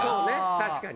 確かに。